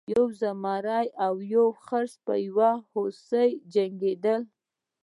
یو زمری او یو خرس په یو هوسۍ جنګیدل.